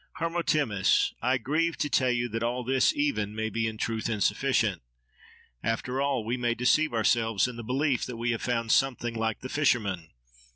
—Hermotimus! I grieve to tell you that all this even, may be in truth insufficient. After all, we may deceive ourselves in the belief that we have found something:—like the fishermen!